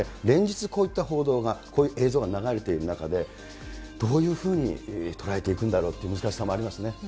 連日、こういった報道が、こういう映像が流れている中で、どういうふうに捉えていくんだろうっていう難しさもありますね。